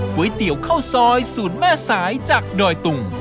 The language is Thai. ก๋วยเตี๋ยวข้าวซอยศูนย์แม่สายจากดอยตุง